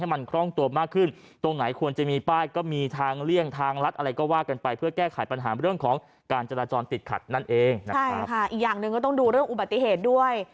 มันก็ต้องดูเรื่องอุบัติเหตุด้วย